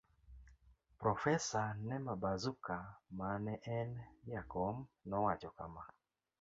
Profesa Nema Bazuka ma ne en jakom nowacho kama